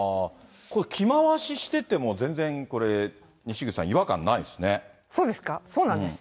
これ、着回ししてても、全然、これ、にしぐちさん、違和感ないそうですか、そうなんです。